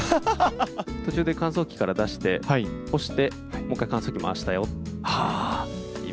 途中で乾燥機から出して、干して、もう一回、乾燥機回したよっていう。